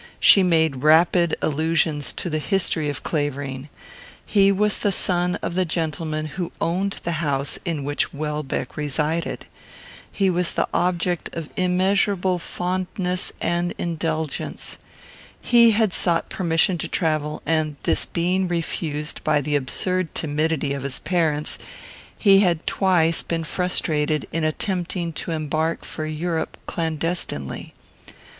She made rapid allusions to the history of Clavering. He was the son of the gentleman who owned the house in which Welbeck resided. He was the object of immeasurable fondness and indulgence. He had sought permission to travel, and, this being refused by the absurd timidity of his parents, he had twice been frustrated in attempting to embark for Europe clandestinely.